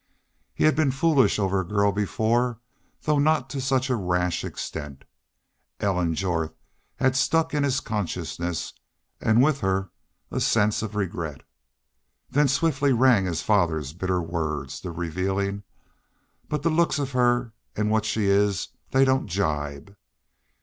He had been foolish over a girl before, though not to such a rash extent. Ellen Jorth had stuck in his consciousness, and with her a sense of regret. Then swiftly rang his father's bitter words, the revealing: "But the looks of her an' what she is they don't gibe!"